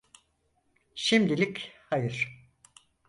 Şimdilik hayır.